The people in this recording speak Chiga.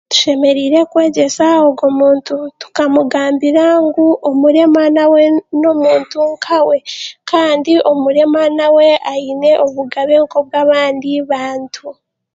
Tushemereire kwegyesa ogw'omuntu, tukamwegyesa ngu omurema nawe n'omuntu nkawe kandi omurema nawe aine obugabe nk'obw'abandi bantu